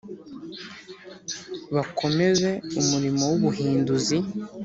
Bakomeze umurimo w ‘ubuhinduzi.